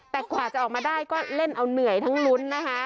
แต่กว่าจะออกมาได้ก็เล่นเอาเหนื่อยทั้งลุ้นนะคะ